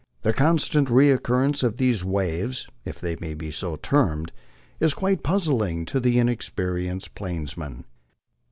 The constant recurrence of these waves, if they may be so termed, is quite puz zling to the inexperienced plainsman.